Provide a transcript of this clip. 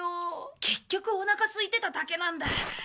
結局おなかすいてただけなんだ。